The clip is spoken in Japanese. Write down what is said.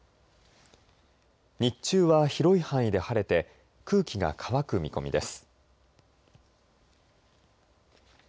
日中は広い範囲で晴れて空気が乾く見込みです。